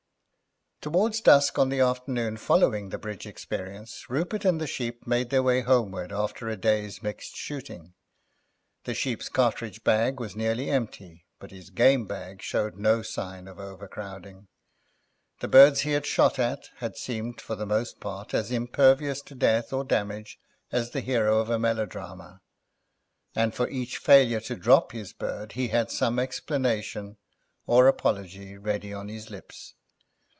Towards dusk on the afternoon following the bridge experience Rupert and the Sheep made their way homeward after a day's mixed shooting. The Sheep's cartridge bag was nearly empty, but his game bag showed no signs of over crowding. The birds he had shot at had seemed for the most part as impervious to death or damage as the hero of a melodrama. And for each failure to drop his bird he had some explanation or apology ready on his lips.